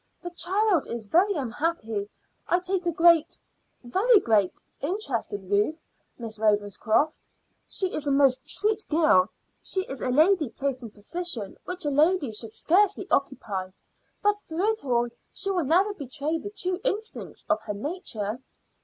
The child is very unhappy. I take a great very great interest in Ruth, Miss Ravenscroft. She is a most sweet girl; she is a lady placed in a position which a lady should scarcely occupy, but through it all she will never betray the true instincts of her nature."